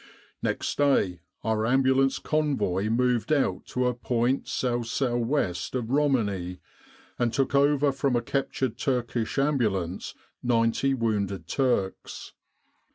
"Next day our Ambulance Convoy moved out to a point S.S.W. of Romani, and took over from a captured Turkish ambulance 90 wounded Turks.